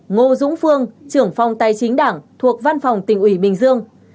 ngô dũng phương trưởng phòng tài chính đảng thuộc văn phòng tỉnh ủy bình dương